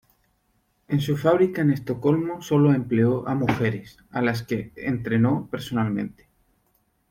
En su fábrica en Estocolmo sólo empleó a mujeres, a las que entrenó personalmente.